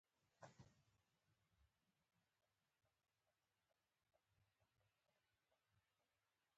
يو ځای د لارې خواته د دېوال له سرداو څخه لوټې رالوېدلې وې.